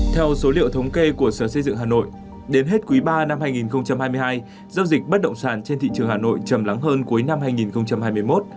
theo số liệu thống kê của sở xây dựng hà nội đến hết quý ba năm hai nghìn hai mươi hai giao dịch bất động sản trên thị trường hà nội chầm lắng hơn cuối năm hai nghìn hai mươi một